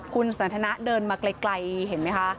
คุณสันทนาเดินมาไกลเห็นไหมคะ